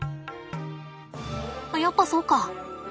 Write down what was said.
やっぱそうか。